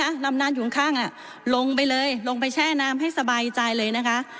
น้ำนานอยู่ข้างอ่ะลงไปเลยลงไปแช่น้ำให้สบายใจเลยนะคะ